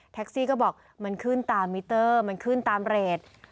ซี่ก็บอกมันขึ้นตามมิเตอร์มันขึ้นตามเรท